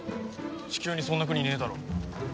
チキューにそんな国ねえだろ。